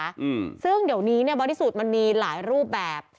อืมซึ่งเดี๋ยวนี้เนี้ยบริสุทธิ์มันมีหลายรูปแบบ